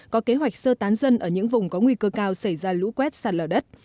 có kế hoạch sơ tán dân ở những vùng có nguy cơ cao xảy ra lũ quét sạt lở đất